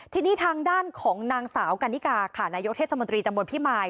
ทีนี้ทางด้านของนางสาวกันนิกาค่ะนายกเทศมนตรีตำบลพิมาย